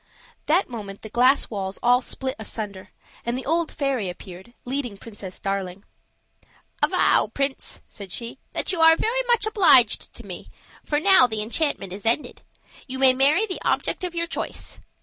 That moment the glass walls all split asunder, and the old fairy appeared, leading Princess Darling. "Avow, prince," said she, "that you are very much obliged to me, for now the enchantment is ended. You may marry the object of your choice.